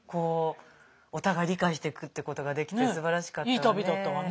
お互い理解していくってことができてすばらしかったわね。